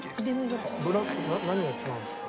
何が違うんですか？